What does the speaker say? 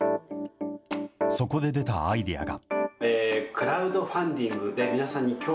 そこで出たアイデアが。